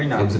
anh kéo thử